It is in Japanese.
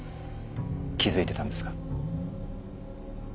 気付いてたんですか？